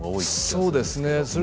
そうですね。